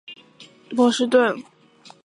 霍夫出生于马萨诸塞州的波士顿。